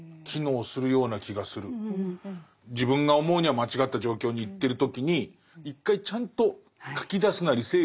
自分が思うには間違った状況に行ってる時に一回ちゃんと書き出すなり整理整頓していくところからだね。